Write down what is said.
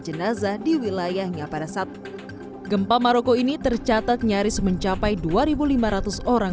jenazah di wilayahnya pada saat gempa maroko ini tercatat nyaris mencapai dua ribu lima ratus orang